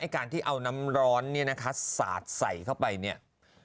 การที่เอาน้ำร้อนเนี่ยนะคะสาดใส่เข้าไปเนี่ย